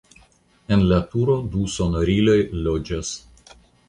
En la turo du sonoriloj loĝas.